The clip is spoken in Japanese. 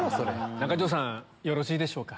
中条さんよろしいでしょうか？